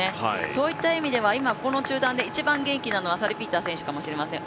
そういった意味では今、この集団で一番元気なのはサルピーター選手かもしれません。